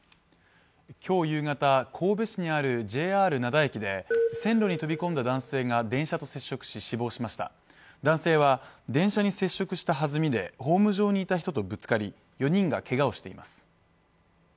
きょう夕方神戸市にあるＪＲ灘駅で線路に飛び込んだ男性が電車と接触し死亡しました男性は電車に接触したはずみでホーム上にいた人とぶつかり４人がけがをしています